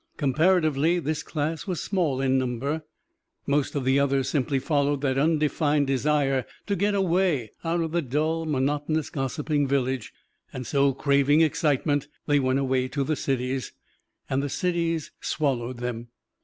Comparatively, this class was small in number. Most of the others simply followed that undefined desire to get away out of the dull, monotonous, gossiping village; and so, craving excitement, they went away to the cities, and the cities swallowed them.